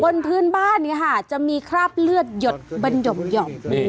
บนพื้นบ้านเนี่ยค่ะจะมีคราบเลือดหยดเป็นหย่อม